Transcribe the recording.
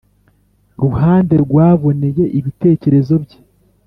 Ruhande rwaboneye ibitekerezo bye